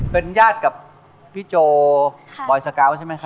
เป็นญาติกับพี่โจบอยสกาวใช่ไหมครับ